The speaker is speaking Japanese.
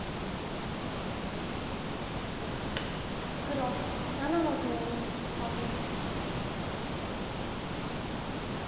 黒７の十二ノビ。